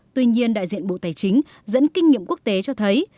tuy nhiên đại diện bộ tài chính dẫn kinh nghiệm quốc tế cho thấy